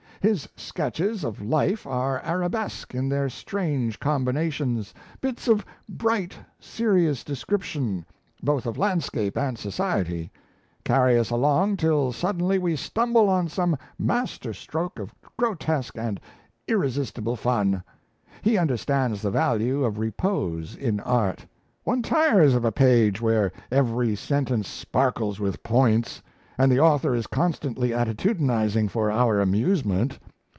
His sketches of life are arabesque in their strange combinations. Bits of bright, serious description, both of landscape and society, carry us along till suddenly we stumble on some master stroke of grotesque and irresistible fun. He understands the value of repose in art. One tires of a page where every sentence sparkles with points, and the author is constantly attitudinizing for our amusement.